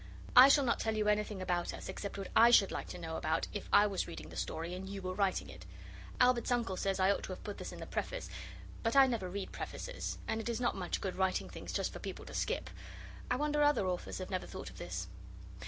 I shall not tell you anything about us except what I should like to know about if I was reading the story and you were writing it. Albert's uncle says I ought to have put this in the preface, but I never read prefaces, and it is not much good writing things just for people to skip. I wonder other authors have never thought of this.